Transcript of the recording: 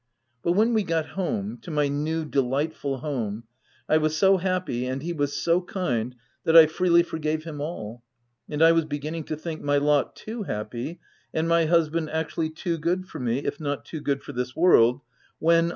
But when we got home — to my new, delightful home — I was so happy and he was so kind that I freely forgave him all ;— and I w T as beginning to think my lot too happy, and my husband actually too good for me, if not too good for this world, when, on OF WILDFELL HALL.